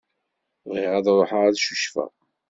Bɣiɣ ad ṛuḥeɣ ad cucfeɣ.